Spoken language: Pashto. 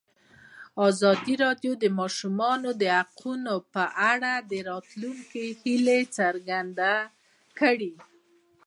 ازادي راډیو د د ماشومانو حقونه په اړه د راتلونکي هیلې څرګندې کړې.